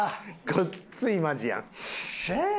ごっついマジやん。